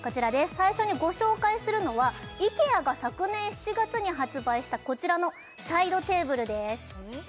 最初にご紹介するのはイケアが昨年７月に発売したこちらのサイドテーブルです